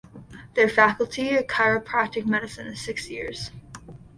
Their faculty of chiropractic medicine is six years.